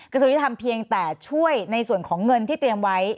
กระทรวงยุทธรรมเพียงแต่ช่วยในส่วนของเงินที่เตรียมไว้